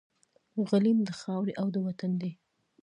غلیم د خاوري او د وطن دی